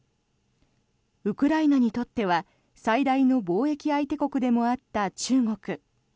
ウクライナにとっては最大の貿易相手国でもあった中国。